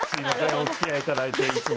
おつきあいいただいて、いつも。